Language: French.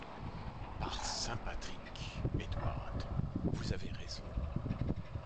Par saint Patrick, Edward, vous avez raison !